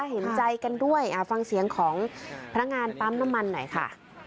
เห็นใจกันด้วยฟังเสียงของพนักงานปั๊มน้ำมันหน่อยค่ะ